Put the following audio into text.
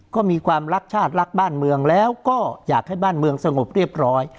ก็มีความรักชาติรักบ้านเมืองแล้วก็อยากให้บ้านเมืองสงบเรียบร้อย